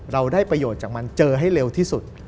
เราได้ประโยชน์จากมันเจอให้เร็วที่สุด